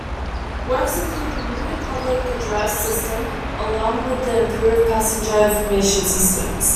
Works included a new public address system along with improved passenger information systems.